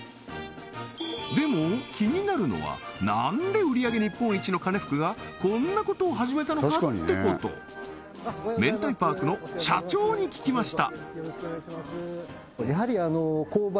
でも気になるのは何で売り上げ日本一のかねふくがこんなことを始めたのか？ってことめんたいパークの社長に聞きました